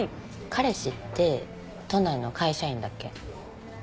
彼氏って都内の会社員だっけ？